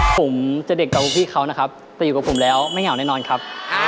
ผมจะเด็กกับพี่เขานะครับแต่อยู่กับผมแล้วไม่เหงาแน่นอนครับ